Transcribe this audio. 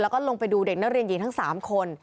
เราก็ลงไปดูเด็กนักเรียนทั้ง๓คน